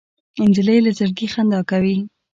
نجلۍ له زړګي خندا کوي.